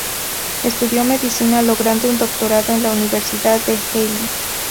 Estudió medicina logrando un doctorado en la Universidad de Delhi.